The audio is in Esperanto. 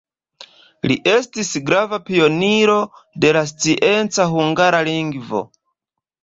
Li estis grava pioniro de la scienca hungara lingvo.